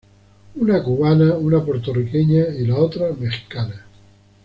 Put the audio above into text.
Una cubana, una puertorriqueña y la otra mexicana.